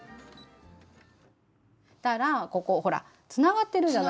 ここほらつながってるじゃない？